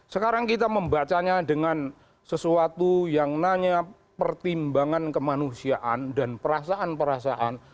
sekarang kita membacanya dengan sesuatu yang nanya pertimbangan kemanusiaan dan perasaan perasaan